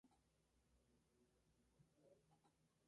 Fue defensor de la reforma eclesiástica en el Concilio de Vienne.